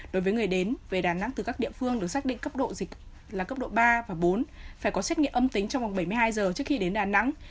đối với người đến về đà nẵng từ các địa phương được xác định cấp độ dịch là cấp độ ba và bốn phải có xét nghiệm âm tính trong vòng bảy mươi hai giờ trước khi đến đà nẵng